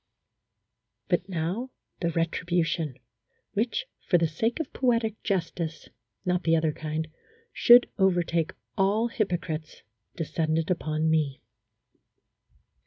But now the retribution, which for the sake of po etic justice (not the other kind) should overtake all hypocrites, descended upon me.